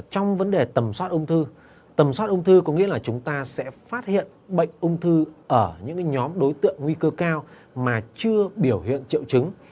trong vấn đề tầm soát ung thư tầm soát ung thư có nghĩa là chúng ta sẽ phát hiện bệnh ung thư ở những nhóm đối tượng nguy cơ cao mà chưa biểu hiện triệu chứng